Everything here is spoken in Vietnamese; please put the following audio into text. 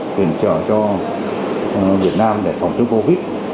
hạ viện trợ cho việt nam để phòng chống covid